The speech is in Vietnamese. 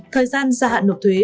thời gian gia hạn luộc thuế